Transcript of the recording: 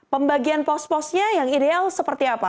pembagian pos posnya yang ideal seperti apa